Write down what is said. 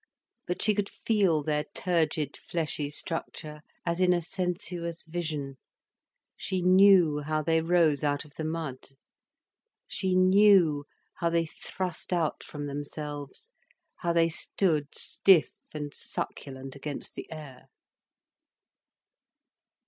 But she could feel their turgid fleshy structure as in a sensuous vision, she knew how they rose out of the mud, she knew how they thrust out from themselves, how they stood stiff and succulent against the air.